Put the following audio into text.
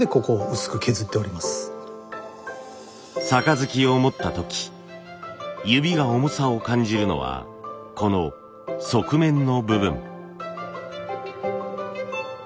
盃を持った時指が重さを感じるのはこの側面の部分。